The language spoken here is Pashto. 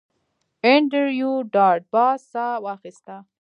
انډریو ډاټ باس ساه واخیسته